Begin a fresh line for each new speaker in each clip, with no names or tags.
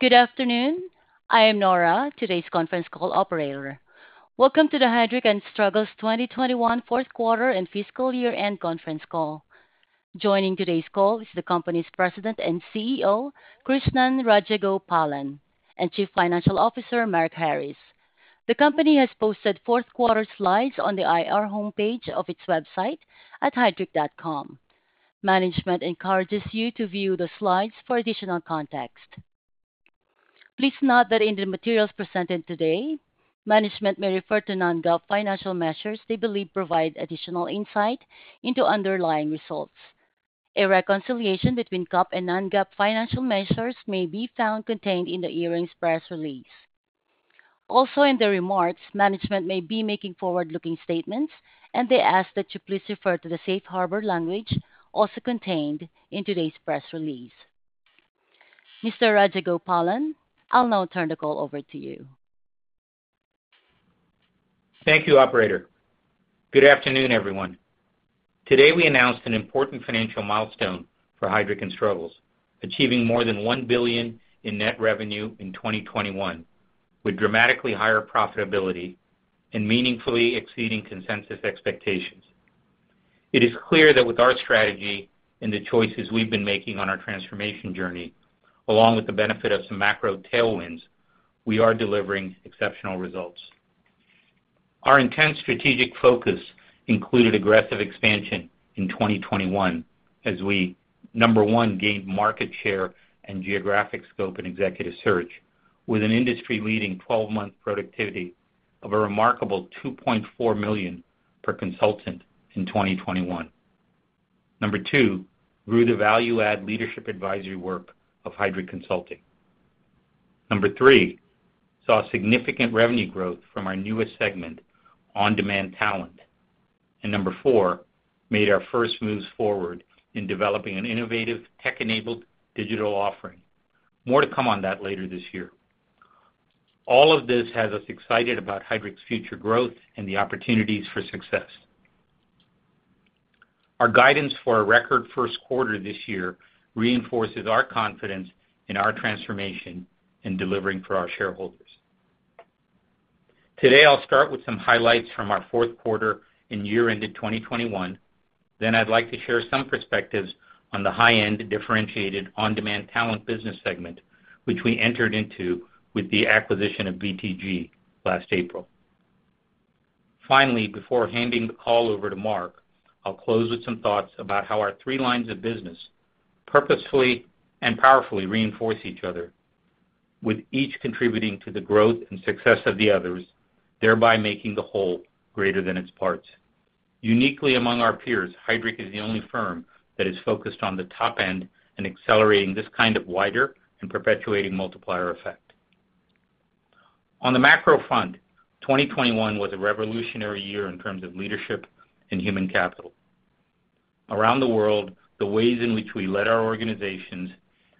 Good afternoon. I am Nora, today's conference call operator. Welcome to the Heidrick & Struggles 2021 fourth quarter and fiscal year-end conference call. Joining today's call is the company's President and CEO, Krishnan Rajagopalan, and Chief Financial Officer, Mark Harris. The company has posted fourth quarter slides on the IR homepage of its website at heidrick.com. Management encourages you to view the slides for additional context. Please note that in the materials presented today, management may refer to non-GAAP financial measures they believe provide additional insight into underlying results. A reconciliation between GAAP and non-GAAP financial measures may be found contained in the earnings press release. Also in the remarks, management may be making forward-looking statements, and they ask that you please refer to the safe harbor language also contained in today's press release. Mr. Rajagopalan, I'll now turn the call over to you.
Thank you, operator. Good afternoon, everyone. Today, we announced an important financial milestone for Heidrick & Struggles, achieving more than $1 billion in net revenue in 2021, with dramatically higher profitability and meaningfully exceeding consensus expectations. It is clear that with our strategy and the choices we've been making on our transformation journey, along with the benefit of some macro tailwinds, we are delivering exceptional results. Our intense strategic focus included aggressive expansion in 2021 as we, number 1, gained market share and geographic scope in Executive Search with an industry-leading 12-month productivity of a remarkable $2.4 million per consultant in 2021. Number 2, grew the value-add leadership advisory work of Heidrick Consulting. Number 3, saw significant revenue growth from our newest segment On-Demand Talent. Number 4, made our first moves forward in developing an innovative tech-enabled digital offering. More to come on that later this year. All of this has us excited about Heidrick's future growth and the opportunities for success. Our guidance for a record first quarter this year reinforces our confidence in our transformation in delivering for our shareholders. Today, I'll start with some highlights from our fourth quarter and year-ended 2021. I'd like to share some perspectives on the high-end differentiated On-Demand Talent business segment, which we entered into with the acquisition of BTG last April. Finally, before handing the call over to Mark, I'll close with some thoughts about how our three lines of business purposefully and powerfully reinforce each other, with each contributing to the growth and success of the others, thereby making the whole greater than its parts. Uniquely among our peers, Heidrick is the only firm that is focused on the top end and accelerating this kind of wider and perpetuating multiplier effect. On the macro front, 2021 was a revolutionary year in terms of leadership and human capital. Around the world, the ways in which we led our organizations,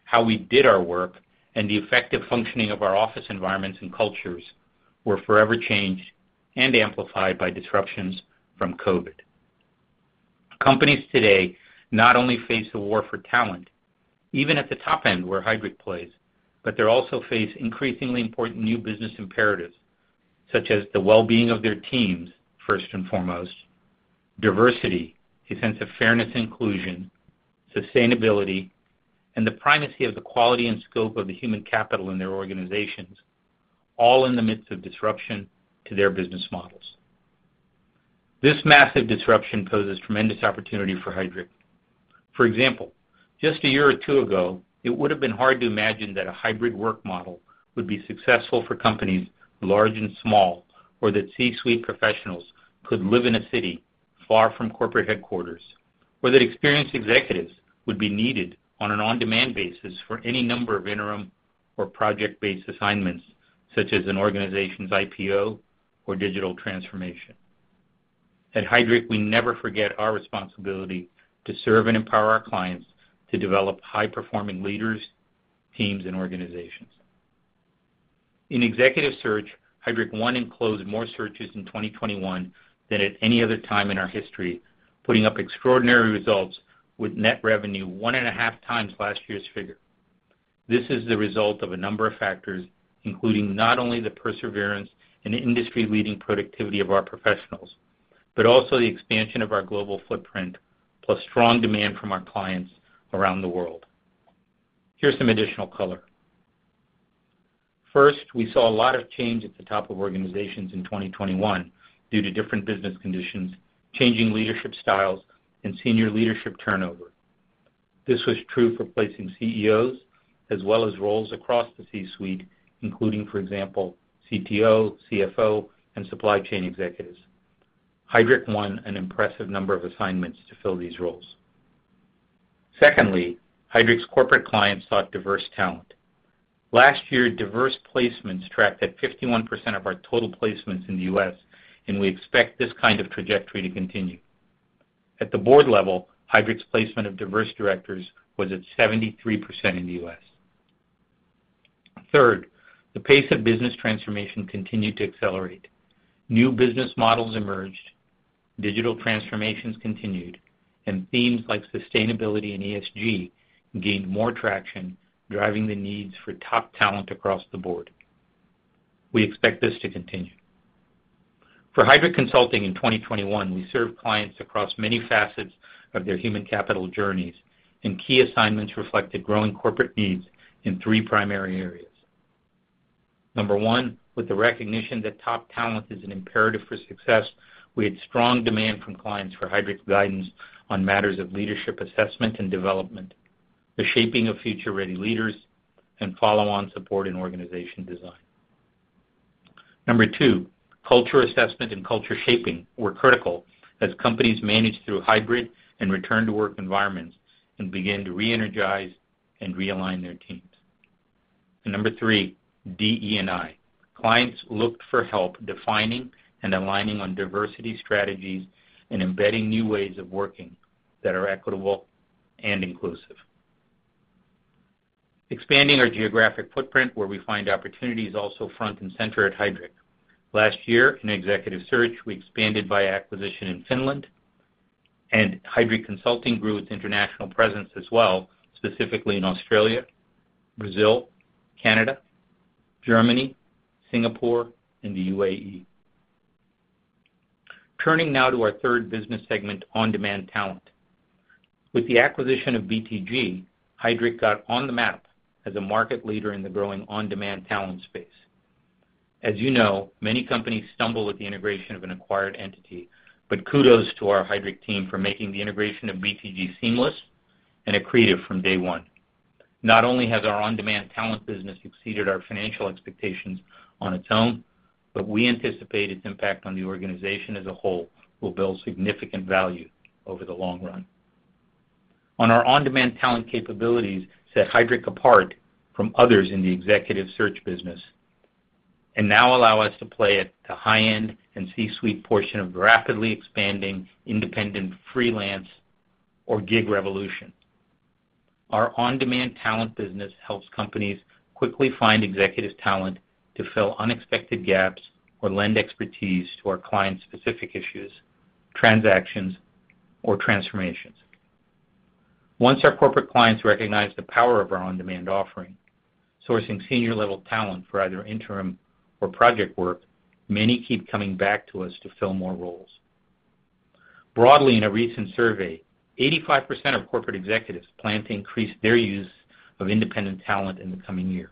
how we did our work, and the effective functioning of our office environments and cultures were forever changed and amplified by disruptions from COVID. Companies today not only face a war for talent, even at the top end where Heidrick plays, but they also face increasingly important new business imperatives, such as the well-being of their teams, first and foremost, diversity, a sense of fairness, inclusion, sustainability, and the primacy of the quality and scope of the human capital in their organizations, all in the midst of disruption to their business models. This massive disruption poses tremendous opportunity for Heidrick. For example, just a year or two ago, it would have been hard to imagine that a hybrid work model would be successful for companies large and small, or that C-suite professionals could live in a city far from corporate headquarters, or that experienced executives would be needed on an on-demand basis for any number of interim or project-based assignments, such as an organization's IPO or digital transformation. At Heidrick, we never forget our responsibility to serve and empower our clients to develop high-performing leaders, teams, and organizations. In Executive Search, Heidrick won and closed more searches in 2021 than at any other time in our history, putting up extraordinary results with net revenue one and a half times last year's figure. This is the result of a number of factors, including not only the perseverance and industry-leading productivity of our professionals, but also the expansion of our global footprint, plus strong demand from our clients around the world. Here's some additional color. First, we saw a lot of change at the top of organizations in 2021 due to different business conditions, changing leadership styles, and senior leadership turnover. This was true for placing CEOs as well as roles across the C-suite, including, for example, CTO, CFO, and supply chain executives. Heidrick won an impressive number of assignments to fill these roles. Secondly, Heidrick's corporate clients sought diverse talent. Last year, diverse placements tracked at 51% of our total placements in the U.S., and we expect this kind of trajectory to continue. At the board level, Heidrick's placement of diverse directors was at 73% in the U.S. Third, the pace of business transformation continued to accelerate. New business models emerged. Digital transformations continued, and themes like sustainability and ESG gained more traction, driving the needs for top talent across the board. We expect this to continue. For Heidrick Consulting in 2021, we served clients across many facets of their human capital journeys, and key assignments reflected growing corporate needs in three primary areas. Number one, with the recognition that top talent is an imperative for success, we had strong demand from clients for Heidrick's guidance on matters of leadership assessment and development, the shaping of future-ready leaders, and follow-on support in organization design. Number two, culture assessment and culture shaping were critical as companies managed through hybrid and return to work environments and began to re-energize and realign their teams. Number three, DE&I. Clients looked for help defining and aligning on diversity strategies and embedding new ways of working that are equitable and inclusive. Expanding our geographic footprint where we find opportunities also front and center at Heidrick. Last year, in Executive Search, we expanded by acquisition in Finland, and Heidrick Consulting grew its international presence as well, specifically in Australia, Brazil, Canada, Germany, Singapore, and the UAE. Turning now to our third business segment, On-Demand Talent. With the acquisition of BTG, Heidrick got on the map as a market leader in the growing on-demand talent space. As you know, many companies stumble with the integration of an acquired entity, but kudos to our Heidrick team for making the integration of BTG seamless and accretive from day one. Not only has our On-Demand Talent business exceeded our financial expectations on its own, but we anticipate its impact on the organization as a whole will build significant value over the long run. Our On-Demand Talent capabilities set Heidrick apart from others in the Executive Search business and now allow us to play at the high end and C-suite portion of rapidly expanding independent freelance or gig revolution. Our On-Demand Talent business helps companies quickly find executive talent to fill unexpected gaps or lend expertise to our clients' specific issues, transactions, or transformations. Once our corporate clients recognize the power of our on-demand offering, sourcing senior level talent for either interim or project work, many keep coming back to us to fill more roles. Broadly, in a recent survey, 85% of corporate executives plan to increase their use of independent talent in the coming year.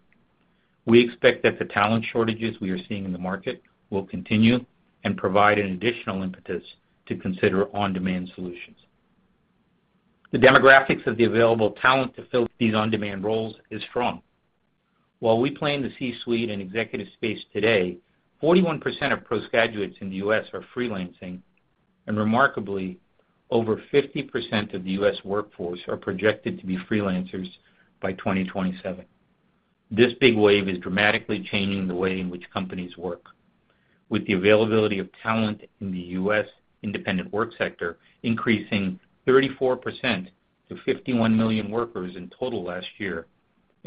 We expect that the talent shortages we are seeing in the market will continue and provide an additional impetus to consider on-demand solutions. The demographics of the available talent to fill these on-demand roles is strong. While we play in the C-suite and executive space today, 41% of postgraduates in the U.S. are freelancing, and remarkably, over 50% of the U.S. workforce are projected to be freelancers by 2027. This big wave is dramatically changing the way in which companies work. With the availability of talent in the U.S. independent work sector increasing 34% to 51 million workers in total last year,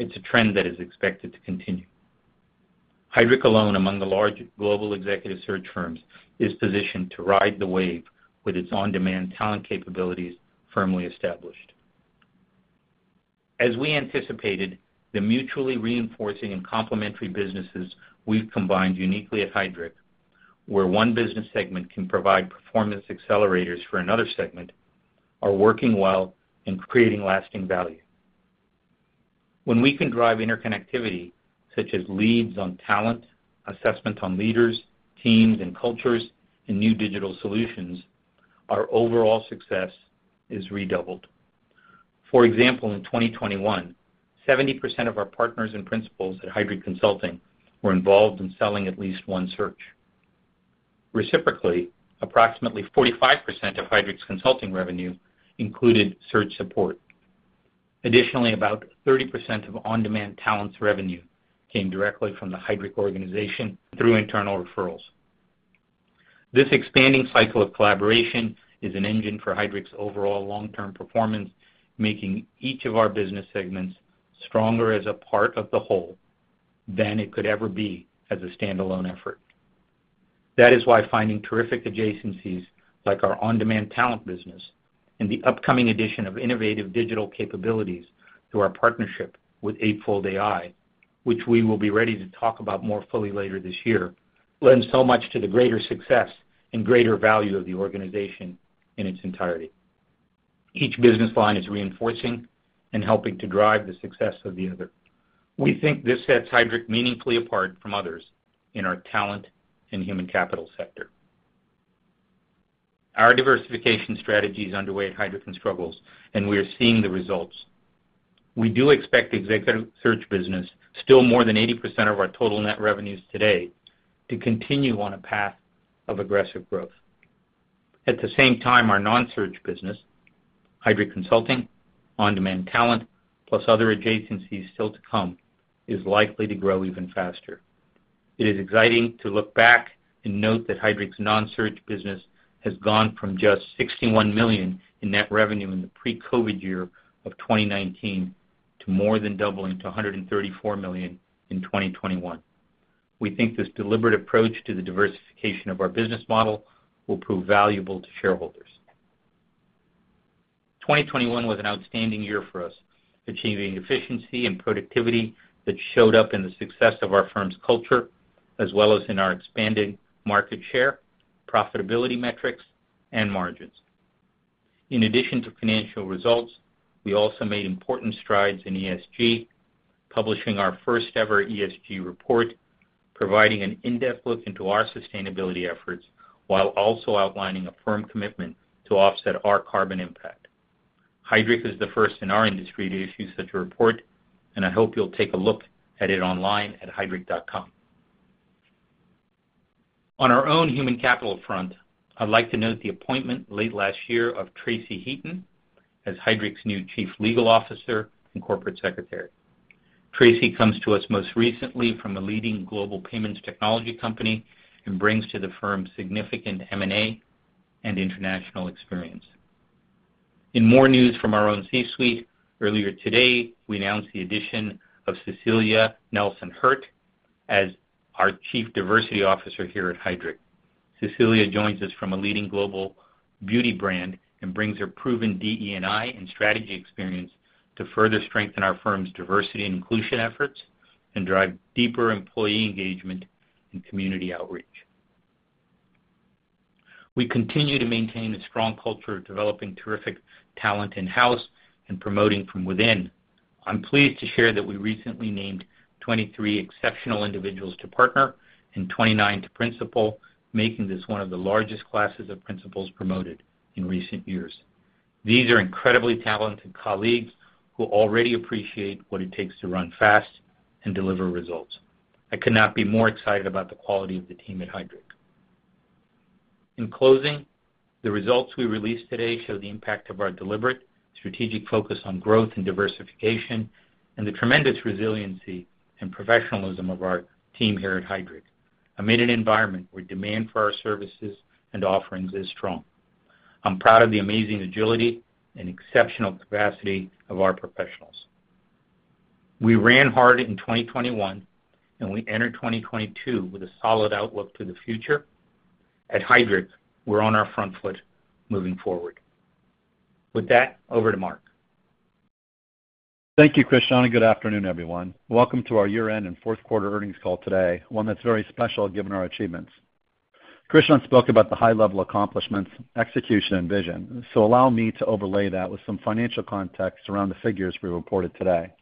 it's a trend that is expected to continue. Heidrick & Struggles alone, among the large global Executive Search firms, is positioned to ride the wave with its on-demand talent capabilities firmly established. As we anticipated, the mutually reinforcing and complementary businesses we've combined uniquely at Heidrick, where one business segment can provide performance accelerators for another segment, are working well and creating lasting value. When we can drive interconnectivity, such as leads on talent, assessment on leaders, teams, and cultures, and new digital solutions, our overall success is redoubled. For example, in 2021, 70% of our partners and principals at Heidrick Consulting were involved in selling at least one search. Reciprocally, approximately 45% of Heidrick's consulting revenue included search support. Additionally, about 30% of On-Demand Talent's revenue came directly from the Heidrick organization through internal referrals. This expanding cycle of collaboration is an engine for Heidrick's overall long-term performance, making each of our business segments stronger as a part of the whole than it could ever be as a standalone effort. That is why finding terrific adjacencies like our On-Demand Talent business and the upcoming addition of innovative digital capabilities through our partnership with Eightfold AI, which we will be ready to talk about more fully later this year, lend so much to the greater success and greater value of the organization in its entirety. Each business line is reinforcing and helping to drive the success of the other. We think this sets Heidrick meaningfully apart from others in our talent and human capital sector. Our diversification strategy is underway at Heidrick & Struggles, and we are seeing the results. We do expect Executive Search business, still more than 80% of our total net revenues today, to continue on a path of aggressive growth. At the same time, our non-search business, Heidrick Consulting, On-Demand Talent, plus other adjacencies still to come, is likely to grow even faster. It is exciting to look back and note that Heidrick & Struggles' non-search business has gone from just $61 million in net revenue in the pre-COVID year of 2019 to more than doubling to $134 million in 2021. We think this deliberate approach to the diversification of our business model will prove valuable to shareholders. 2021 was an outstanding year for us, achieving efficiency and productivity that showed up in the success of our firm's culture, as well as in our expanded market share, profitability metrics, and margins. In addition to financial results, we also made important strides in ESG, publishing our first ever ESG report, providing an in-depth look into our sustainability efforts while also outlining a firm commitment to offset our carbon impact. Heidrick is the first in our industry to issue such a report, and I hope you'll take a look at it online at heidrick.com. On our own human capital front, I'd like to note the appointment late last year of Tracey Heaton as Heidrick's new Chief Legal Officer and Corporate Secretary. Tracey comes to us most recently from a leading global payments technology company and brings to the firm significant M&A and international experience. In more news from our own C-suite, earlier today, we announced the addition of Cecilia Nelson-Hurt as our Chief Diversity Officer here at Heidrick. Cecilia joins us from a leading global beauty brand and brings her proven DE&I and strategy experience to further strengthen our firm's diversity and inclusion efforts and drive deeper employee engagement and community outreach. We continue to maintain a strong culture of developing terrific talent in-house and promoting from within. I'm pleased to share that we recently named 23 exceptional individuals to partner and 29 to principal, making this one of the largest classes of principals promoted in recent years. These are incredibly talented colleagues who already appreciate what it takes to run fast and deliver results. I could not be more excited about the quality of the team at Heidrick. In closing, the results we released today show the impact of our deliberate strategic focus on growth and diversification and the tremendous resiliency and professionalism of our team here at Heidrick. Amid an environment where demand for our services and offerings is strong, I'm proud of the amazing agility and exceptional capacity of our professionals. We ran hard in 2021, and we enter 2022 with a solid outlook to the future. At Heidrick, we're on our front foot moving forward. With that, over to Mark.
Thank you, Krishnan. Good afternoon, everyone. Welcome to our year-end and fourth quarter earnings call today, one that's very special given our achievements. Krishnan spoke about the high level accomplishments, execution, and vision, so allow me to overlay that with some financial context around the figures we reported today.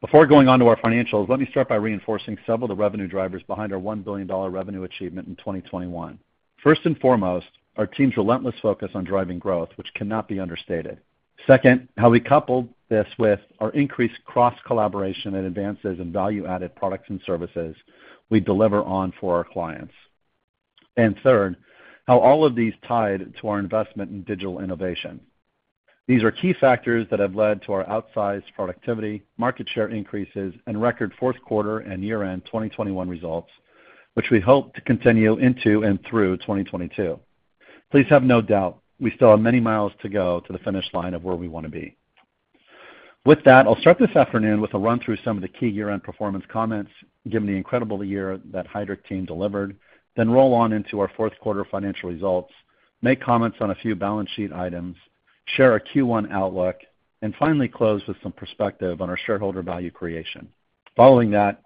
Before going on to our financials, let me start by reinforcing several of the revenue drivers behind our $1 billion revenue achievement in 2021. First and foremost, our team's relentless focus on driving growth, which cannot be understated. Second, how we coupled this with our increased cross-collaboration and advances in value-added products and services we deliver on for our clients. Third, how all of these tied to our investment in digital innovation. These are key factors that have led to our outsized productivity, market share increases, and record fourth quarter and year-end 2021 results, which we hope to continue into and through 2022. Please have no doubt we still have many miles to go to the finish line of where we wanna be. With that, I'll start this afternoon with a run through some of the key year-end performance comments, given the incredible year that Heidrick team delivered, then roll on into our fourth quarter financial results, make comments on a few balance sheet items, share our Q1 outlook, and finally close with some perspective on our shareholder value creation. Following that,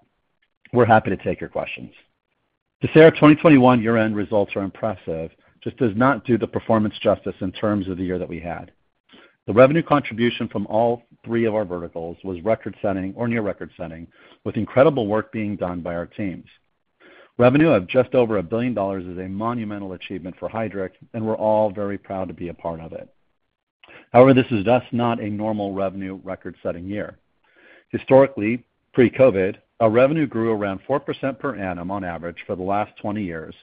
we're happy to take your questions. To say our 2021 year-end results are impressive just does not do the performance justice in terms of the year that we had. The revenue contribution from all three of our verticals was record-setting or near record-setting, with incredible work being done by our teams. Revenue of just over $1 billion is a monumental achievement for Heidrick, and we're all very proud to be a part of it. However, this is thus not a normal revenue record-setting year. Historically, pre-COVID, our revenue grew around 4% per annum on average for the last 20 years,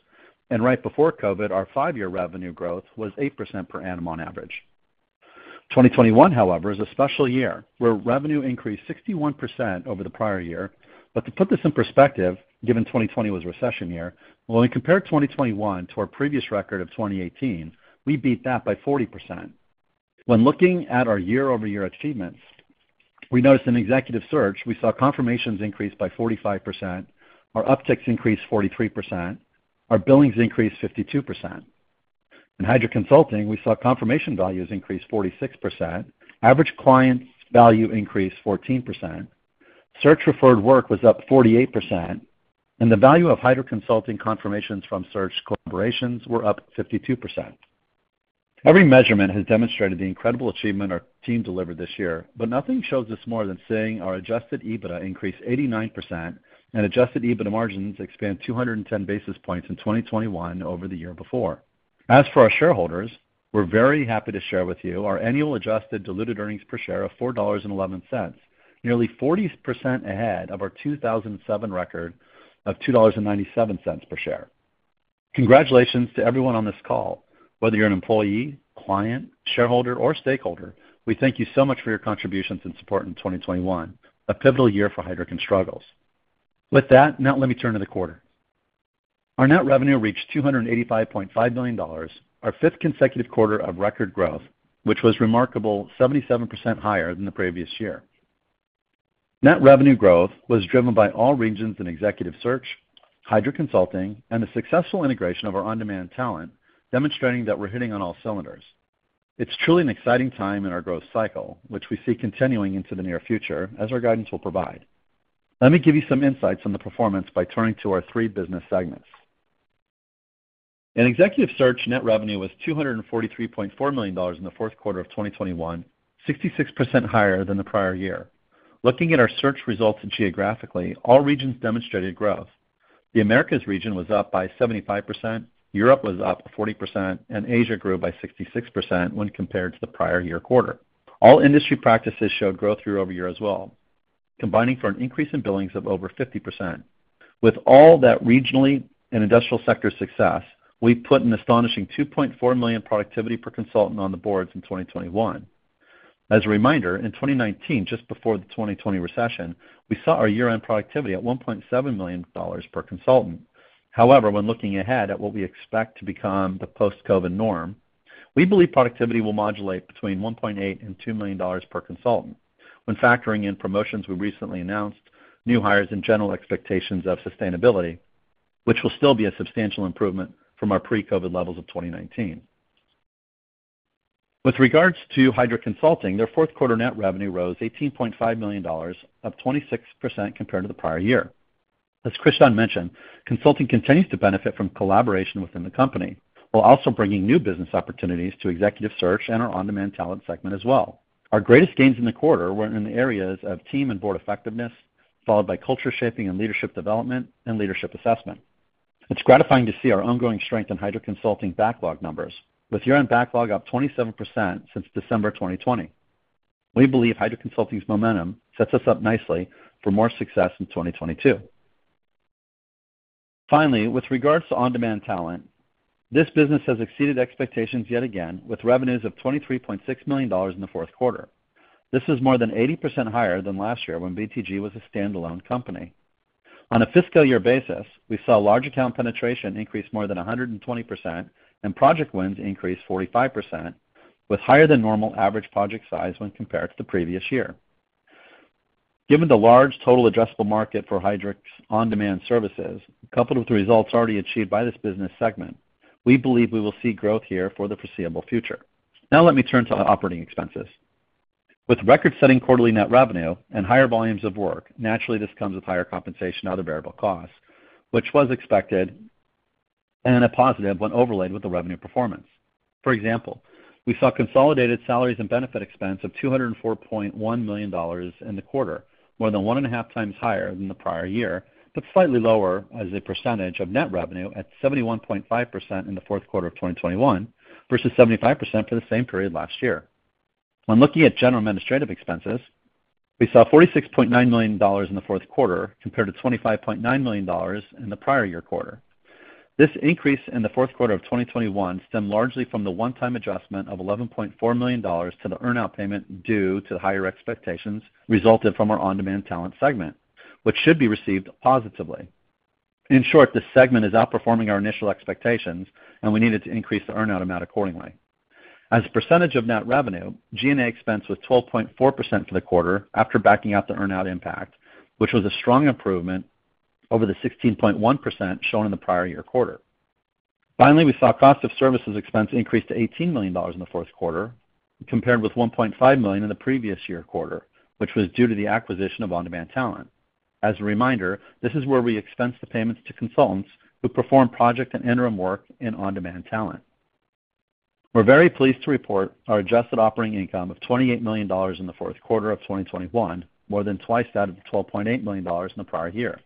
and right before COVID, our 5-year revenue growth was 8% per annum on average. 2021, however, is a special year, where revenue increased 61% over the prior year. To put this in perspective, given 2020 was a recession year, well, when we compare 2021 to our previous record of 2018, we beat that by 40%. When looking at our year-over-year achievements, we noticed in Executive Search we saw confirmations increase by 45%. Our upticks increased 43%. Our billings increased 52%. In Heidrick Consulting, we saw confirmation values increase 46%. Average client value increased 14%. Search-referred work was up 48%. The value of Heidrick Consulting confirmations from search collaborations were up 52%. Every measurement has demonstrated the incredible achievement our team delivered this year, but nothing shows this more than seeing our adjusted EBITDA increase 89% and adjusted EBITDA margins expand 210 basis points in 2021 over the year before. As for our shareholders, we're very happy to share with you our annual adjusted diluted earnings per share of $4.11, nearly 40% ahead of our 2007 record of $2.97 per share. Congratulations to everyone on this call. Whether you're an employee, client, shareholder, or stakeholder, we thank you so much for your contributions and support in 2021, a pivotal year for Heidrick & Struggles. With that, now let me turn to the quarter. Our net revenue reached $285.5 million, our fifth consecutive quarter of record growth, which was remarkable 77% higher than the previous year. Net revenue growth was driven by all regions in Executive Search, Heidrick Consulting, and the successful integration of our On-Demand Talent, demonstrating that we're hitting on all cylinders. It's truly an exciting time in our growth cycle, which we see continuing into the near future as our guidance will provide. Let me give you some insights on the performance by turning to our three business segments. In Executive Search, net revenue was $243.4 million in the fourth quarter of 2021, 66% higher than the prior year. Looking at our search results geographically, all regions demonstrated growth. The Americas region was up by 75%, Europe was up 40%, and Asia grew by 66% when compared to the prior year quarter. All industry practices showed growth year-over-year as well, combining for an increase in billings of over 50%. With all that regionally and industrial sector success, we put an astonishing $2.4 million productivity per consultant on the boards in 2021. As a reminder, in 2019, just before the 2020 recession, we saw our year-end productivity at $1.7 million per consultant. However, when looking ahead at what we expect to become the post-COVID norm, we believe productivity will modulate between $1.8 million and $2 million per consultant when factoring in promotions we recently announced, new hires, and general expectations of sustainability, which will still be a substantial improvement from our pre-COVID levels of 2019. With regards to Heidrick Consulting, their fourth quarter net revenue rose $18.5 million, up 26% compared to the prior year. As Krishnan mentioned, consulting continues to benefit from collaboration within the company, while also bringing new business opportunities to Executive Search and our On-Demand Talent segment as well. Our greatest gains in the quarter were in the areas of team and board effectiveness, followed by culture shaping and leadership development, and leadership assessment. It's gratifying to see our ongoing strength in Heidrick Consulting backlog numbers, with year-end backlog up 27% since December 2020. We believe Heidrick Consulting's momentum sets us up nicely for more success in 2022. Finally, with regards to On-Demand Talent, this business has exceeded expectations yet again, with revenues of $23.6 million in the fourth quarter. This is more than 80% higher than last year when BTG was a standalone company. On a fiscal year basis, we saw large account penetration increase more than 120% and project wins increase 45%, with higher than normal average project size when compared to the previous year. Given the large total addressable market for Heidrick's on-demand services, coupled with the results already achieved by this business segment, we believe we will see growth here for the foreseeable future. Now let me turn to operating expenses. With record-setting quarterly net revenue and higher volumes of work, naturally, this comes with higher compensation and other variable costs, which was expected and a positive when overlaid with the revenue performance. For example, we saw consolidated salaries and benefit expense of $204.1 million in the quarter, more than one and a half times higher than the prior year, but slightly lower as a percentage of net revenue at 71.5% in the fourth quarter of 2021 versus 75% for the same period last year. When looking at general administrative expenses, we saw $46.9 million in the fourth quarter compared to $25.9 million in the prior year quarter. This increase in the fourth quarter of 2021 stemmed largely from the one-time adjustment of $11.4 million to the earn out payment due to the higher expectations resulted from our On-Demand Talent segment, which should be received positively. In short, this segment is outperforming our initial expectations, and we needed to increase the earn out amount accordingly. As a percentage of net revenue, G&A expense was 12.4% for the quarter after backing out the earn out impact, which was a strong improvement over the 16.1% shown in the prior year quarter. Finally, we saw cost of services expense increase to $18 million in the fourth quarter, compared with $1.5 million in the previous year quarter, which was due to the acquisition of On-Demand Talent. As a reminder, this is where we expense the payments to consultants who perform project and interim work in On-Demand Talent. We're very pleased to report our adjusted operating income of $28 million in the fourth quarter of 2021, more than twice that of the $12.8 million in the prior year.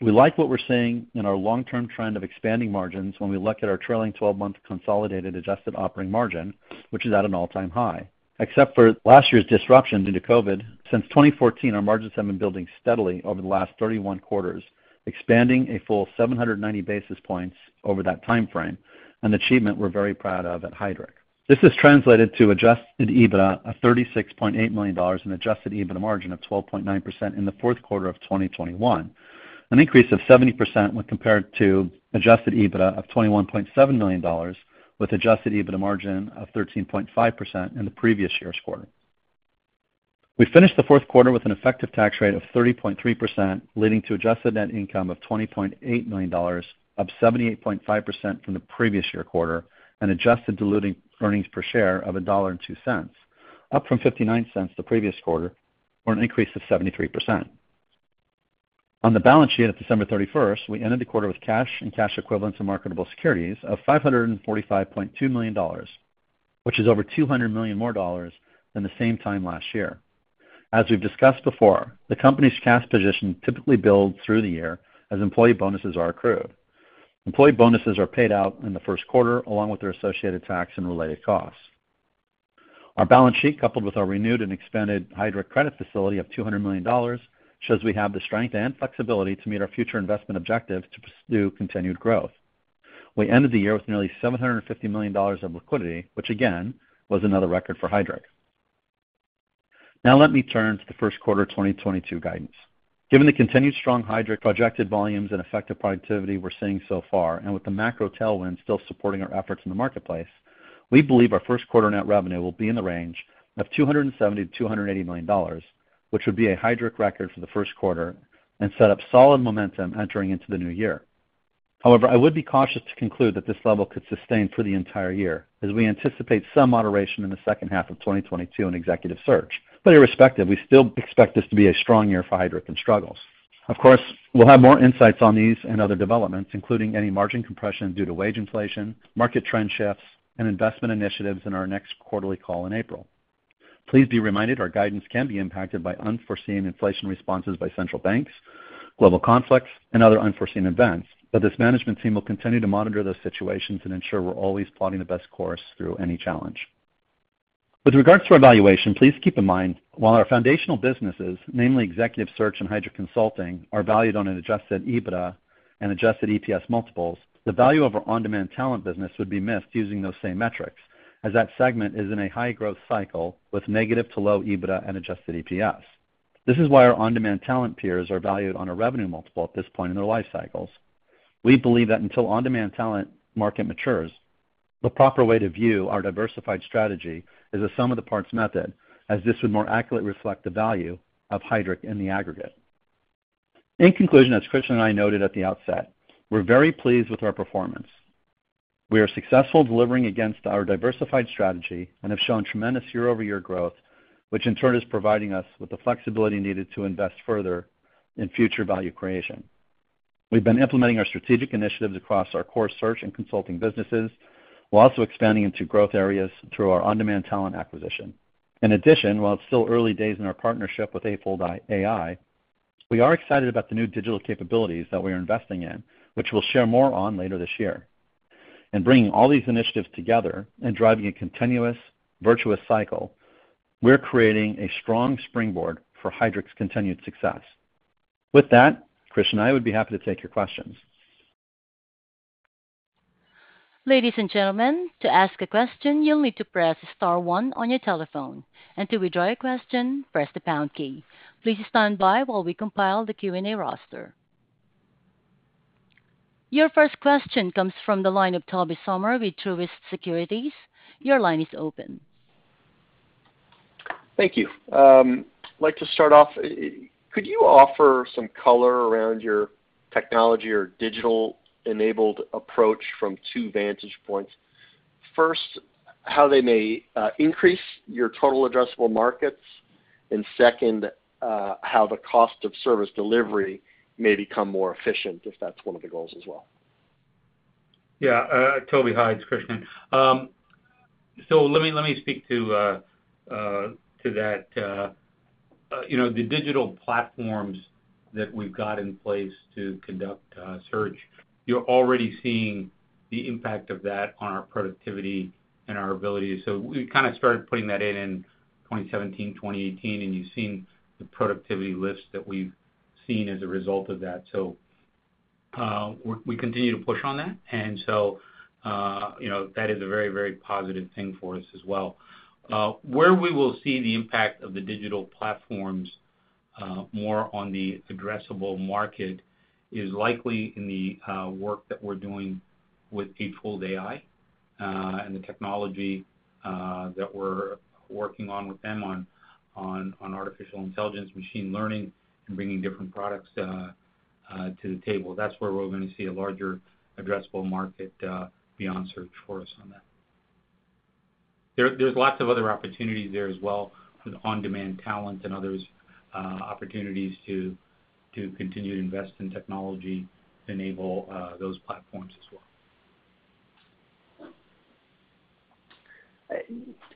We like what we're seeing in our long-term trend of expanding margins when we look at our trailing twelve-month consolidated adjusted operating margin, which is at an all-time high. Except for last year's disruption due to COVID, since 2014, our margins have been building steadily over the last 31 quarters, expanding a full 790 basis points over that timeframe, an achievement we're very proud of at Heidrick. This has translated to adjusted EBITDA of $36.8 million, an adjusted EBITDA margin of 12.9% in the fourth quarter of 2021, an increase of 70% when compared to adjusted EBITDA of $21.7 million with adjusted EBITDA margin of 13.5% in the previous year's quarter. We finished the fourth quarter with an effective tax rate of 30.3%, leading to adjusted net income of $20.8 million, up 78.5% from the previous year quarter, and adjusted diluted earnings per share of $1.02, up from $0.59 the previous quarter, or an increase of 73%. On the balance sheet of December 31, we ended the quarter with cash and cash equivalents and marketable securities of $545.2 million, which is over $200 million more dollars than the same time last year. As we've discussed before, the company's cash position typically builds through the year as employee bonuses are accrued. Employee bonuses are paid out in the first quarter, along with their associated tax and related costs. Our balance sheet, coupled with our renewed and expanded Heidrick credit facility of $200 million, shows we have the strength and flexibility to meet our future investment objectives to pursue continued growth. We ended the year with nearly $750 million of liquidity, which again, was another record for Heidrick. Now let me turn to the first quarter 2022 guidance. Given the continued strong Heidrick & Struggles projected volumes and effective productivity we're seeing so far, and with the macro tailwind still supporting our efforts in the marketplace, we believe our first quarter net revenue will be in the range of $270 million-$280 million, which would be a Heidrick & Struggles record for the first quarter and set up solid momentum entering into the new year. However, I would be cautious to conclude that this level could sustain for the entire year as we anticipate some moderation in the second half of 2022 in Executive Search. Irrespective, we still expect this to be a strong year for Heidrick & Struggles. Of course, we'll have more insights on these and other developments, including any margin compression due to wage inflation, market trend shifts, and investment initiatives in our next quarterly call in April. Please be reminded our guidance can be impacted by unforeseen inflation responses by central banks, global conflicts, and other unforeseen events. This management team will continue to monitor those situations and ensure we're always plotting the best course through any challenge. With regards to our valuation, please keep in mind while our foundational businesses, namely Executive Search and Heidrick Consulting, are valued on an adjusted EBITDA and adjusted EPS multiples, the value of our On-Demand Talent business would be missed using those same metrics, as that segment is in a high-growth cycle with negative to low EBITDA and adjusted EPS. This is why our On-Demand Talent peers are valued on a revenue multiple at this point in their life cycles. We believe that until On-Demand Talent market matures, the proper way to view our diversified strategy is a sum of the parts method, as this would more accurately reflect the value of Heidrick in the aggregate. In conclusion, as Krish and I noted at the outset, we're very pleased with our performance. We are successful delivering against our diversified strategy and have shown tremendous year-over-year growth, which in turn is providing us with the flexibility needed to invest further in future value creation. We've been implementing our strategic initiatives across our core search and consulting businesses while also expanding into growth areas through our On-Demand Talent acquisition. In addition, while it's still early days in our partnership with Eightfold AI, we are excited about the new digital capabilities that we are investing in, which we'll share more on later this year. Bringing all these initiatives together and driving a continuous virtuous cycle, we're creating a strong springboard for Heidrick's continued success. With that, Krish and I would be happy to take your questions.
Ladies and gentlemen, to ask a question, you'll need to press *1 on your telephone. To withdraw your question, press the # key. Please stand by while we compile the Q&A roster. Your first question comes from the line of Tobey Sommer with Truist Securities. Your line is open.
Thank you. I'd like to start off. Could you offer some color around your technology or digital-enabled approach from two vantage points? First, how they may increase your total addressable markets, and second, how the cost of service delivery may become more efficient, if that's one of the goals as well.
Toby, hi, it's Krishnan. Let me speak to that. You know, the digital platforms that we've got in place to conduct search, you're already seeing the impact of that on our productivity and our ability. We kind of started putting that in 2017, 2018, and you've seen the productivity lifts that we've seen as a result of that. You know, that is a very, very positive thing for us as well. Where we will see the impact of the digital platforms more on the addressable market is likely in the work that we're doing with Eightfold AI and the technology that we're working on with them on artificial intelligence, machine learning, and bringing different products to the table. That's where we're going to see a larger addressable market beyond search for us on that. There's lots of other opportunities there as well with On-Demand Talent and others, opportunities to continue to invest in technology to enable those platforms as well.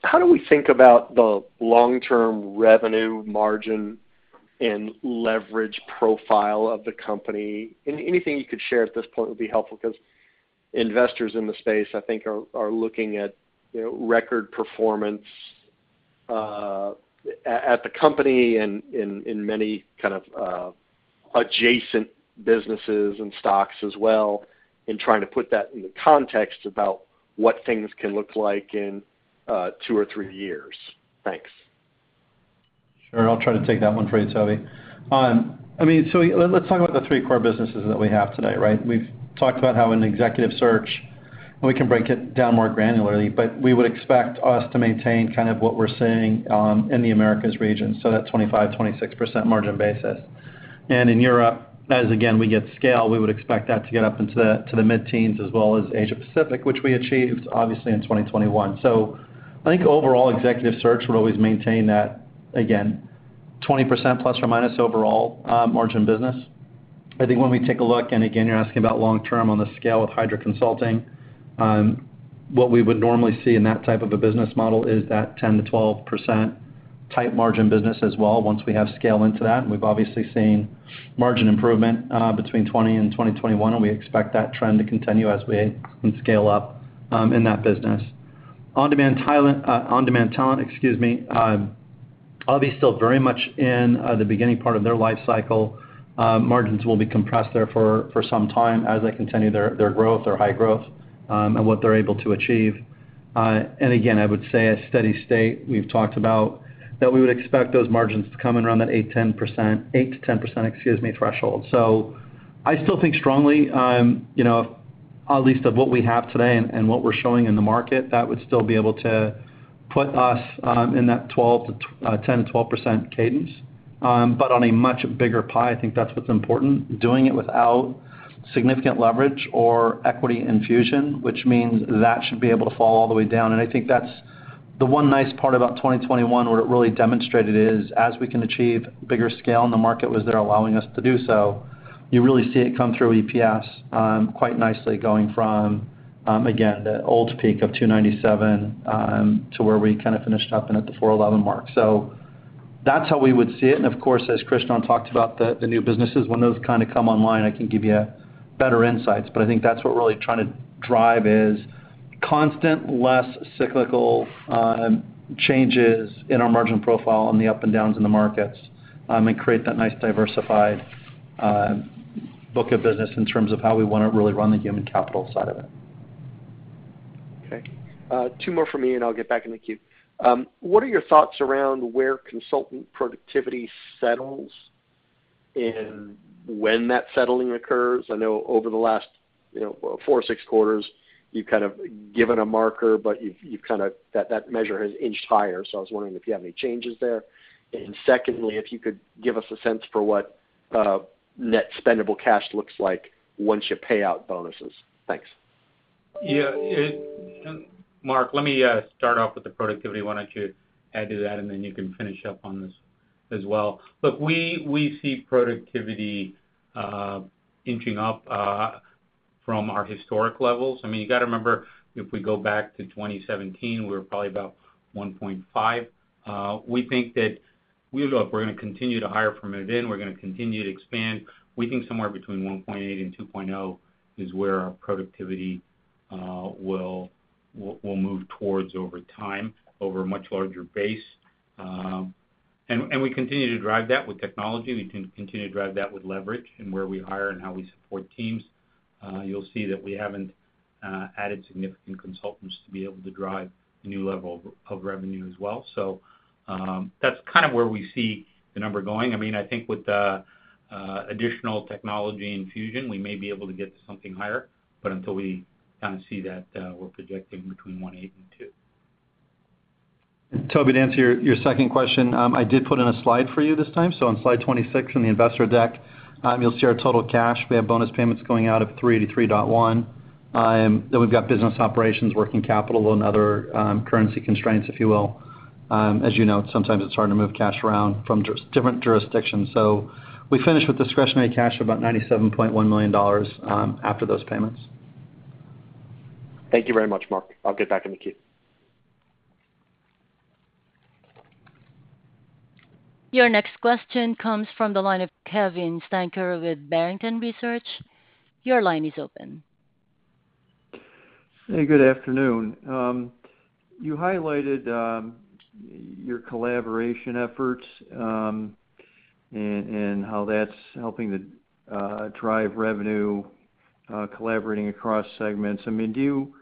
How do we think about the long-term revenue margin and leverage profile of the company? Anything you could share at this point would be helpful because investors in the space, I think, are looking at, you know, record performance at the company and in many kinds of adjacent businesses and stocks as well, and trying to put that in the context about what things can look like in two or three years. Thanks.
Sure. I'll try to take that one for you, Toby. I mean, let's talk about the three core businesses that we have today, right? We've talked about how in Executive Search, and we can break it down more granularly, but we would expect us to maintain kind of what we're seeing in the Americas region, so that 25%-26% margin basis. In Europe, as again, we get scale, we would expect that to get up into the mid-teens as well as Asia Pacific, which we achieved obviously in 2021. I think overall Executive Search would always maintain that, again, 20% plus or minus overall margin business. I think when we take a look, and again, you're asking about long-term on the scale of Heidrick Consulting, what we would normally see in that type of a business model is that 10%-12% tight margin business as well, once we have scale into that. We've obviously seen margin improvement between 2020 and 2021, and we expect that trend to continue as we scale up in that business. On-Demand Talent, excuse me, obviously still very much in the beginning part of their life cycle. Margins will be compressed there for some time as they continue their high growth and what they're able to achieve. I would say a steady state. We've talked about that we would expect those margins to come in around that 8%-10%, excuse me, threshold. I still think strongly, you know, at least of what we have today and what we're showing in the market, that would still be able to put us in that 10%-12% cadence, but on a much bigger pie. I think that's what's important, doing it without significant leverage or equity infusion, which means that should be able to fall all the way down. I think that's the one nice part about 2021, what it really demonstrated is as we can achieve bigger scale, and the market was there allowing us to do so, you really see it come through EPS quite nicely going from, again, the old peak of $2.97 to where we kind of finished up and at the $4.11 mark. That's how we would see it. Of course, as Krishnan talked about the new businesses, when those kind of come online, I can give you better insights. I think that's what we're really trying to drive is constant, less cyclical, changes in our margin profile on the up and downs in the markets, and create that nice diversified book of business in terms of how we wanna really run the human capital side of it.
Okay. Two more from me, and I'll get back in the queue. What are your thoughts around where consultant productivity settles and when that settling occurs? I know over the last, you know, four or six quarters, you've kind of given a marker, but that measure has inched higher. I was wondering if you have any changes there. Secondly, if you could give us a sense for what net spendable cash looks like once you pay out bonuses? Thanks.
Yeah, Mark, let me start off with the productivity. Why don't you add to that, and then you can finish up on this as well. Look, we see productivity inching up from our historic levels. I mean, you gotta remember, if we go back to 2017, we were probably about 1.5. We think that we look, we're gonna continue to hire from within, we're gonna continue to expand. We think somewhere between 1.8 and 2.0 is where our productivity will move towards over time, over a much larger base. And we continue to drive that with technology. We continue to drive that with leverage and where we hire and how we support teams. You'll see that we haven't added significant consultants to be able to drive new level of revenue as well. That's kind of where we see the number going. I mean, I think with the additional technology infusion, we may be able to get to something higher, but until we kinda see that, we're projecting between $180 and $200.
Toby, to answer your second question, I did put in a slide for you this time. On slide 26 in the investor deck, you'll see our total cash. We have bonus payments going out of $383.1 million. Then we've got business operations, working capital, and other currency constraints, if you will. As you know, sometimes it's hard to move cash around from different jurisdictions. We finish with discretionary cash of about $97.1 million after those payments.
Thank you very much, Mark. I'll get back in the queue.
Your next question comes from the line of Kevin Steinke with Barrington Research. Your line is open.
Hey, good afternoon. You highlighted your collaboration efforts and how that's helping to drive revenue, collaborating across segments. I mean, do you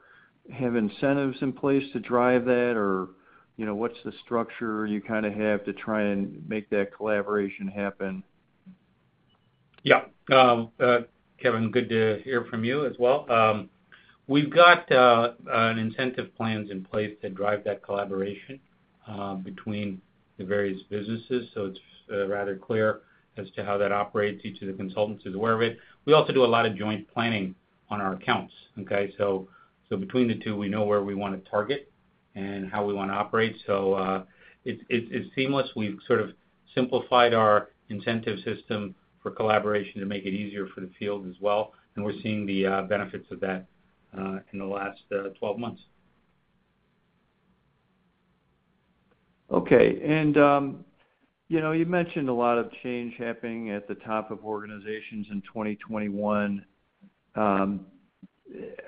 have incentives in place to drive that, or, you know, what's the structure you kinda have to try and make that collaboration happen?
Yeah. Kevin, good to hear from you as well. We've got incentive plans in place to drive that collaboration between the various businesses, so it's rather clear as to how that operates. Each of the consultants is aware of it. We also do a lot of joint planning on our accounts, okay? Between the two, we know where we wanna target and how we wanna operate. It's seamless. We've sort of simplified our incentive system for collaboration to make it easier for the field as well, and we're seeing the benefits of that in the last 12 months.
Okay. You know, you mentioned a lot of change happening at the top of organizations in 2021.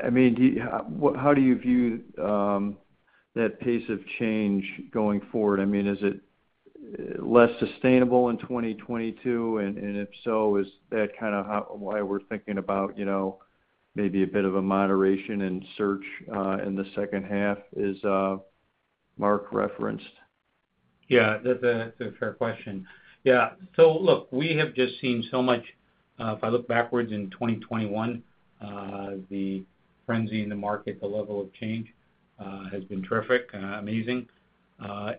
I mean, how do you view that pace of change going forward? I mean, is it less sustainable in 2022? And if so, is that kinda why we're thinking about, you know, maybe a bit of a moderation in search in the second half as Mark referenced?
Yeah. That's a fair question. Yeah. Look, we have just seen so much. If I look backwards in 2021, the frenzy in the market, the level of change, has been terrific, amazing.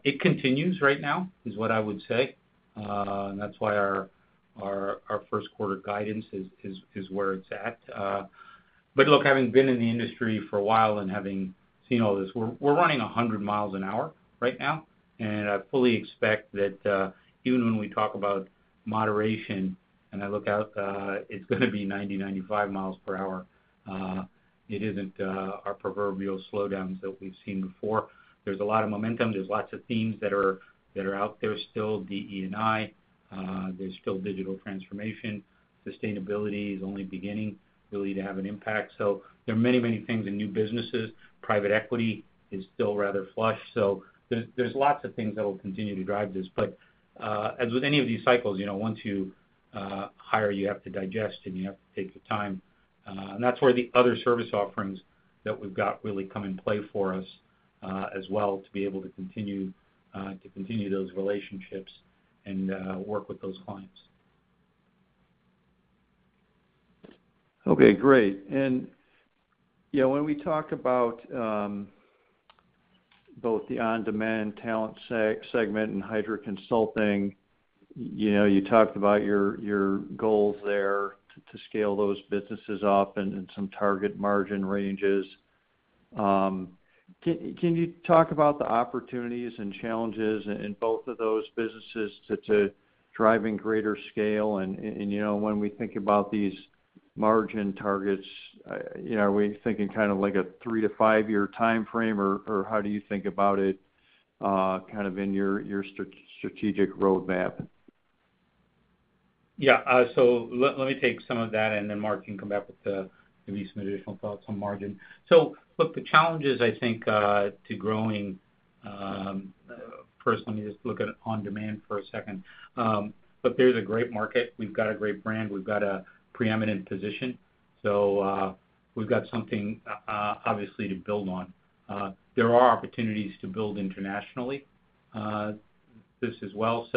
It continues right now, is what I would say. That's why our first quarter guidance is where it's at. Look, having been in the industry for a while and having seen all this, we're running 100 miles an hour right now, and I fully expect that even when we talk about moderation, and I look out, it's gonna be 90-95 miles per hour. It isn't our proverbial slowdowns that we've seen before. There's a lot of momentum. There's lots of themes that are out there still, DE&I. There's still digital transformation. Sustainability is only beginning really to have an impact. There are many, many things in new businesses. Private equity is still rather flush. There's lots of things that will continue to drive this. As with any of these cycles, you know, once you hire, you have to digest and you have to take the time. That's where the other service offerings that we've got really come into play for us, as well to be able to continue those relationships and work with those clients.
Okay, great. When we talk about both the On-Demand Talent segment and Heidrick Consulting, you know, you talked about your goals there to scale those businesses up and some target margin ranges. Can you talk about the opportunities and challenges in both of those businesses to driving greater scale? You know, when we think about these margin targets, you know, are we thinking kind of like a 3-5-year timeframe? Or how do you think about it kind of in your strategic roadmap?
Yeah. Let me take some of that, and then Mark can come back with maybe some additional thoughts on margin. Look, the challenges, I think, to growing, first let me just look at On-Demand for a second. Look, there's a great market. We've got a great brand. We've got a preeminent position, so we've got something obviously to build on. There are opportunities to build internationally this as well.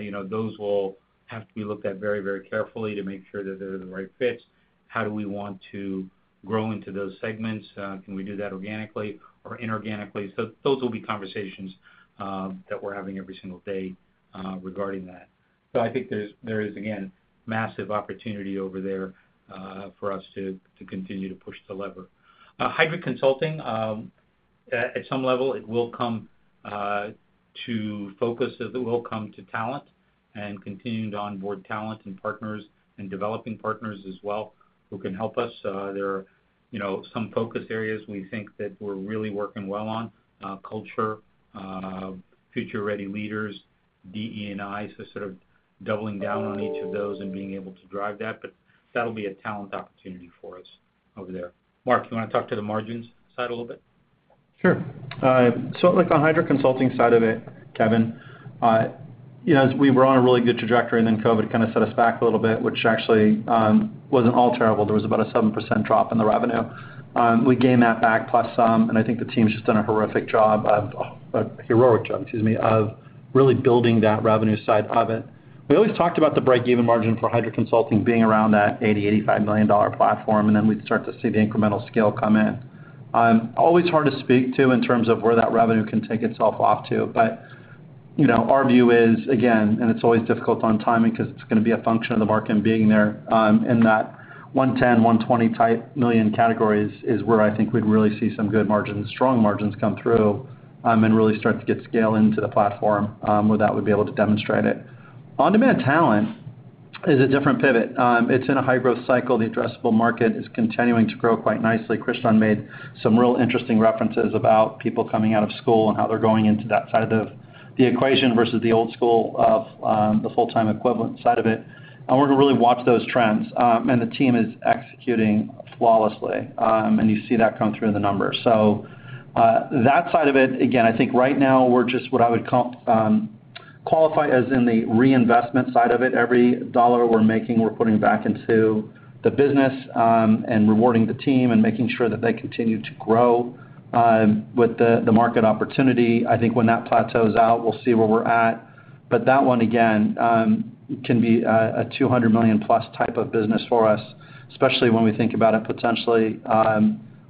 You know, those will have to be looked at very, very carefully to make sure that they're the right fits. How do we want to grow into those segments? Can we do that organically or inorganically? Those will be conversations that we're having every single day regarding that. I think there's again massive opportunity over there for us to continue to push the lever. Heidrick Consulting at some level it will come to focus. It will come to talent and continuing to onboard talent and partners and developing partners as well who can help us. There are you know some focus areas we think that we're really working well on, culture, future-ready leaders, DE&I. Sort of doubling down on each of those and being able to drive that, but that'll be a talent opportunity for us over there. Mark, you wanna talk to the margins side a little bit?
Sure. So look, on the Heidrick Consulting side of it, Kevin, you know, as we were on a really good trajectory, and then COVID kind of set us back a little bit, which actually wasn't all terrible. There was about a 7% drop in the revenue. We gained that back plus some, and I think the team's just done a heroic job, excuse me, of really building that revenue side of it. We always talked about the break-even margin for Heidrick Consulting being around that $80-$85 million platform, and then we'd start to see the incremental scale come in. Always hard to speak to in terms of where that revenue can take itself off to. You know, our view is, again, and it's always difficult on timing 'cause it's gonna be a function of the market and being there in that $110-$120 million categories is where I think we'd really see some good margins, strong margins come through, and really start to get scale into the platform, where that would be able to demonstrate it. On-Demand Talent is a different pivot. It's in a high-growth cycle. The addressable market is continuing to grow quite nicely. Krishnan made some real interesting references about people coming out of school and how they're going into that side of the equation versus the old school of the full-time equivalent side of it. We're gonna really watch those trends. The team is executing flawlessly. You see that come through in the numbers. That side of it, again, I think right now we're just what I would call qualify as in the reinvestment side of it. Every dollar we're making, we're putting back into the business, and rewarding the team and making sure that they continue to grow with the market opportunity. I think when that plateaus out, we'll see where we're at. But that one, again, can be a $200 million-plus type of business for us, especially when we think about it potentially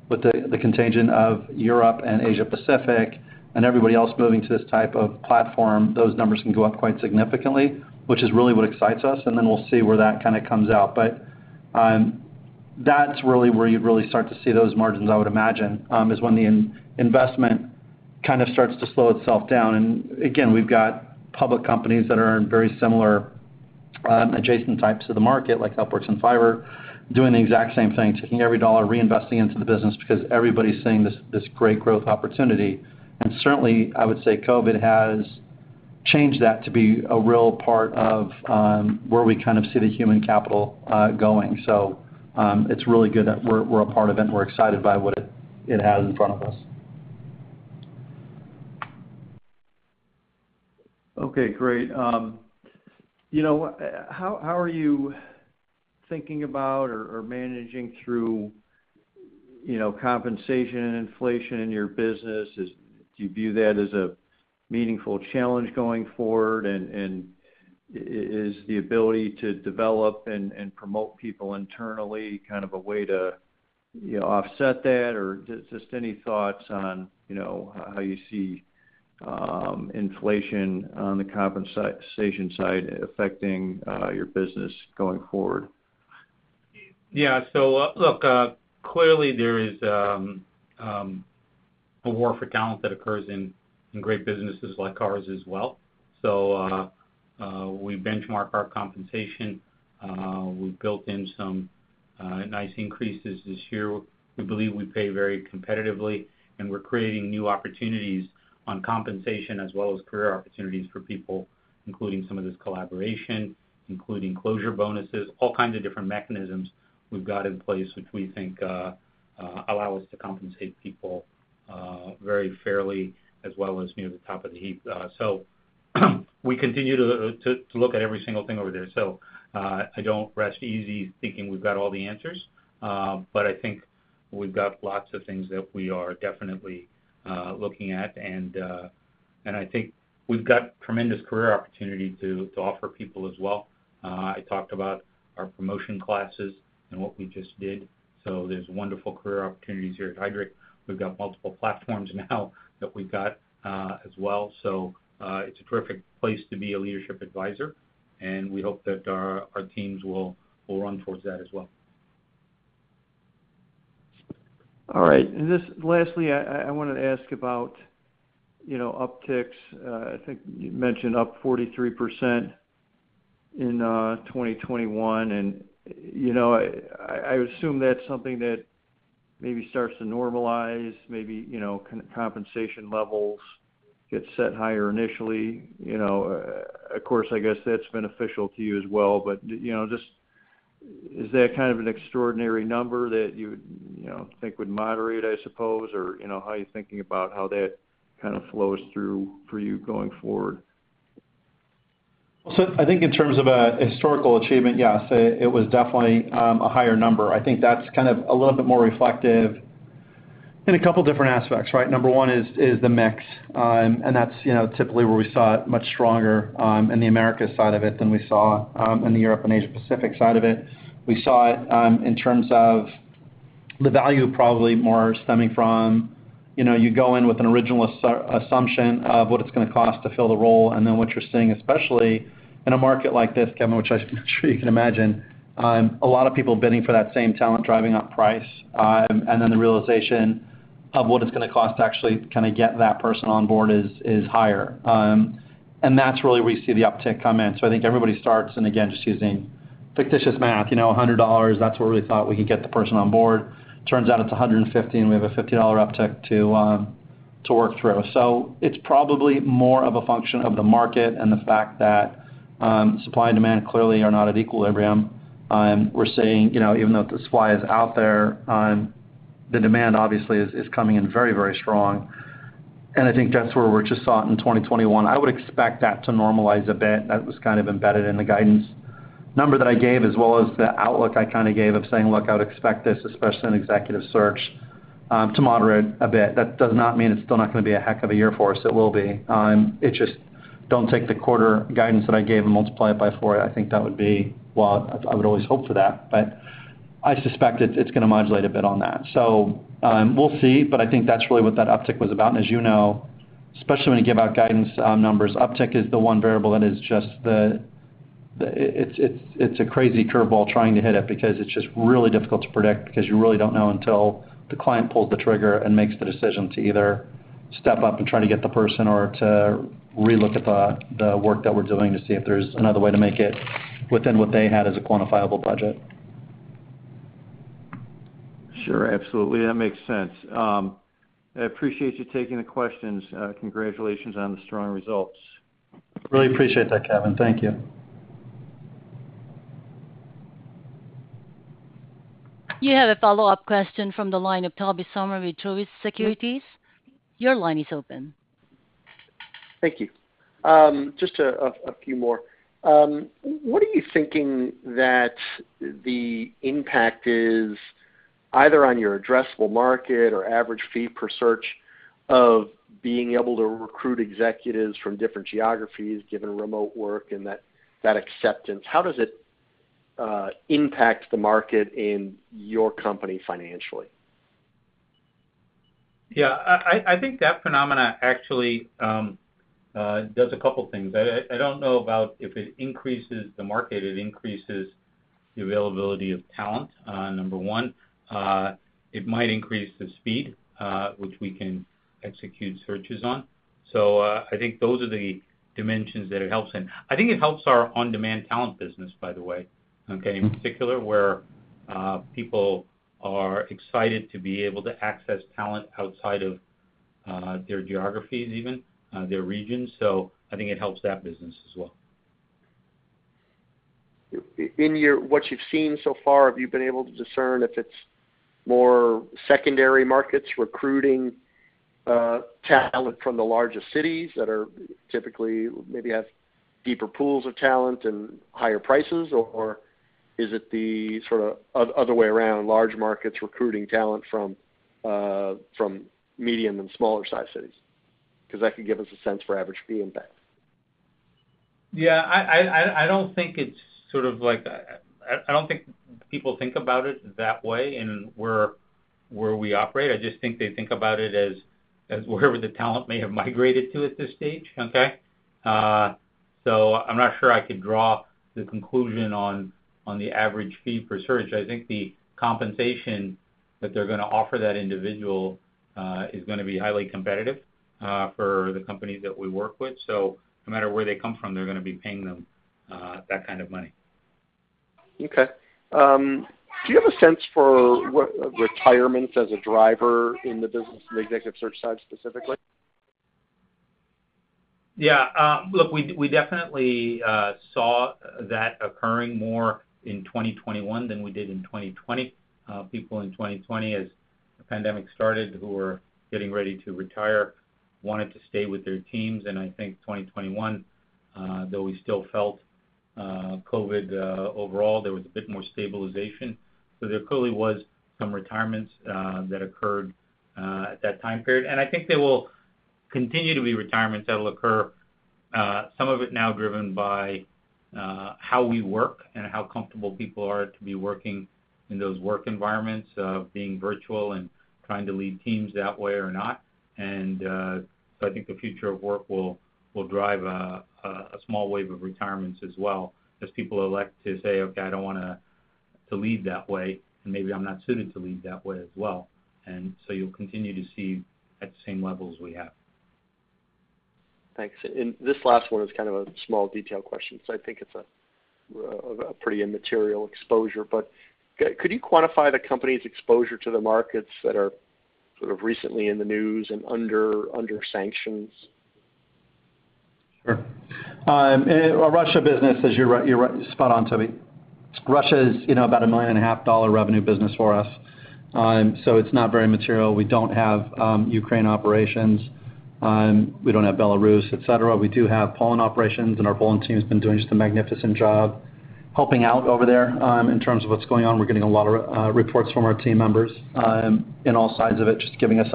with the contingent of Europe and Asia Pacific and everybody else moving to this type of platform. Those numbers can go up quite significantly, which is really what excites us, and then we'll see where that kinda comes out. That's really where you'd start to see those margins, I would imagine, is when the investment kind of starts to slow itself down. Again, we've got public companies that are in very similar adjacent types of the market, like Upwork and Fiverr, doing the exact same thing, taking every dollar, reinvesting into the business because everybody's seeing this great growth opportunity. Certainly, I would say COVID has changed that to be a real part of where we kind of see the human capital going. It's really good that we're a part of it, and we're excited by what it has in front of us.
Okay, great. You know, how are you thinking about or managing through, you know, compensation and inflation in your business? Do you view that as a meaningful challenge going forward? Is the ability to develop and promote people internally kind of a way to, you know, offset that? Just any thoughts on, you know, how you see inflation on the compensation side affecting your business going forward?
Yeah. Look, clearly there is a war for talent that occurs in great businesses like ours as well. We benchmark our compensation. We've built in some nice increases this year. We believe we pay very competitively, and we're creating new opportunities on compensation as well as career opportunities for people, including some of this collaboration, including closure bonuses, all kinds of different mechanisms we've got in place, which we think allow us to compensate people very fairly as well as near the top of the heap. We continue to look at every single thing over there. I don't rest easy thinking we've got all the answers. I think we've got lots of things that we are definitely looking at. I think we've got tremendous career opportunity to offer people as well. I talked about our promotion classes and what we just did. There's wonderful career opportunities here at Heidrick. We've got multiple platforms now that we've got as well. It's a perfect place to be a leadership advisor, and we hope that our teams will run towards that as well.
All right. Just lastly, I wanna ask about, you know, upticks. I think you mentioned up 43% in 2021. You know, I assume that's something that maybe starts to normalize, maybe, you know, compensation levels get set higher initially, you know. Of course, I guess that's beneficial to you as well. You know, just is that kind of an extraordinary number that you would, you know, think would moderate, I suppose? You know, how are you thinking about how that kind of flows through for you going forward?
I think in terms of a historical achievement, yes, it was definitely a higher number. I think that's kind of a little bit more reflective in a couple different aspects, right? Number one is the mix. That's, you know, typically where we saw it much stronger in the Americas side of it than we saw in the Europe and Asia Pacific side of it. We saw it in terms of the value probably more stemming from, you know, you go in with an original assumption of what it's gonna cost to fill the role, and then what you're seeing, especially in a market like this, Kevin, which I'm sure you can imagine, a lot of people bidding for that same talent, driving up price. The realization of what it's gonna cost to actually kinda get that person on board is higher. That's really where we see the uptick come in. I think everybody starts, and again, just using fictitious math, you know, $100, that's where we thought we could get the person on board. Turns out it's $150, and we have a $50 uptick to work through. It's probably more of a function of the market and the fact that supply and demand clearly are not at equilibrium. We're seeing, you know, even though the supply is out there, the demand obviously is coming in very, very strong. I think that's where we just saw it in 2021. I would expect that to normalize a bit. That was kind of embedded in the guidance number that I gave, as well as the outlook I kinda gave of saying, "Look, I would expect this, especially in Executive Search, to moderate a bit." That does not mean it's still not gonna be a heck of a year for us. It will be. It's just don't take the quarter guidance that I gave and multiply it by four. I think that would be. Well, I would always hope for that, but I suspect it's gonna modulate a bit on that. We'll see, but I think that's really what that uptick was about. As you know, especially when you give out guidance numbers, uptick is the one variable that is just the. It's a crazy curveball trying to hit it because it's just really difficult to predict because you really don't know until the client pulls the trigger and makes the decision to either step up and try to get the person or to relook at the work that we're doing to see if there's another way to make it within what they had as a quantifiable budget.
Sure. Absolutely. That makes sense. I appreciate you taking the questions. Congratulations on the strong results.
Really appreciate that, Kevin. Thank you.
You have a follow-up question from the line of Tobey Sommer with Truist Securities. Your line is open.
Thank you. Just a few more. What are you thinking that the impact is either on your addressable market or average fee per search of being able to recruit executives from different geographies, given remote work and that acceptance? How does it impact the market and your company financially?
Yeah. I think that phenomenon actually does a couple things. I don't know about if it increases the market. It increases the availability of talent, number one. It might increase the speed which we can execute searches on. I think those are the dimensions that it helps in. I think it helps our On-Demand Talent business, by the way, okay? In particular, where people are excited to be able to access talent outside of their geographies even their regions. I think it helps that business as well.
In your what you've seen so far, have you been able to discern if it's more secondary markets recruiting talent from the largest cities that are typically maybe have deeper pools of talent and higher prices? Or is it the sort of other way around, large markets recruiting talent from medium and smaller sized cities? 'Cause that could give us a sense for average fee impact.
Yeah. I don't think people think about it that way in where we operate. I just think they think about it as wherever the talent may have migrated to at this stage, okay? I'm not sure I could draw the conclusion on the average fee per search. I think the compensation that they're gonna offer that individual is gonna be highly competitive for the companies that we work with. No matter where they come from, they're gonna be paying them that kind of money.
Okay. Do you have a sense for retirement as a driver in the business from the executive search side specifically?
Yeah. Look, we definitely saw that occurring more in 2021 than we did in 2020. People in 2020 as the pandemic started who were getting ready to retire wanted to stay with their teams. I think 2021, though we still felt COVID, overall there was a bit more stabilization. There clearly was some retirements that occurred at that time period. I think there will continue to be retirements that'll occur, some of it now driven by how we work and how comfortable people are to be working in those work environments of being virtual and trying to lead teams that way or not.
I think the future of work will drive a small wave of retirements as well as people elect to say, "Okay, I don't wanna lead that way, and maybe I'm not suited to lead that way as well." You'll continue to see at the same levels we have.
Thanks. This last one is kind of a small detail question, so I think it's a pretty immaterial exposure. Could you quantify the company's exposure to the markets that are sort of recently in the news and under sanctions?
Sure. Russian business as you're right spot on, Toby. Russian is, you know, about a $1.5 million revenue business for us, so it's not very material. We don't have Ukraine operations. We don't have Belarus, et cetera. We do have Poland operations, and our Poland team’s been doing just a magnificent job helping out over there. In terms of what's going on, we're getting a lot of reports from our team members on all sides of it, just giving us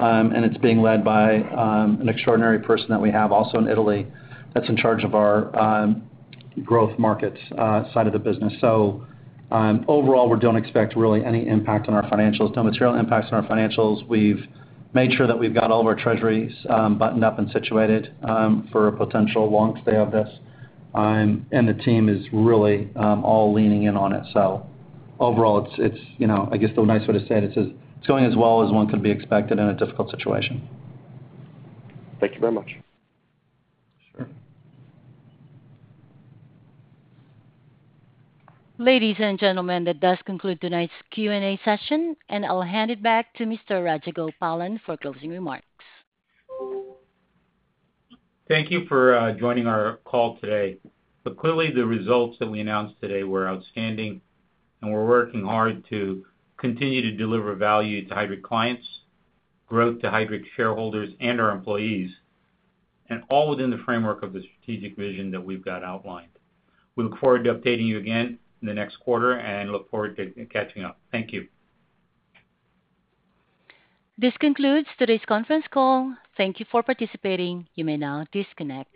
updates. It's being led by an extraordinary person that we have also in Italy that's in charge of our growth markets side of the business. Overall, we don't expect really any impact on our financials, no material impacts on our financials. We've made sure that we've got all of our treasuries buttoned up and situated for a potential long stay of this. The team is really all leaning in on it. Overall it's, you know, I guess the nice way to say it is it's going as well as one could be expected in a difficult situation.
Thank you very much.
Sure.
Ladies and gentlemen, that does conclude tonight's Q&A session, and I'll hand it back to Mr. Rajagopalan for closing remarks.
Thank you for joining our call today. Clearly, the results that we announced today were outstanding, and we're working hard to continue to deliver value to Heidrick clients, growth to Heidrick shareholders and our employees, and all within the framework of the strategic vision that we've got outlined. We look forward to updating you again in the next quarter and look forward to catching up. Thank you.
This concludes today's conference call. Thank you for participating. You may now disconnect.